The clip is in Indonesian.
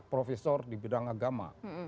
profesor di bidang agama